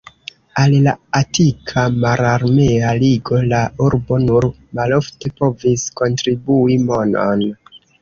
Al la Atika Mararmea Ligo la urbo nur malofte povis kontribui monon.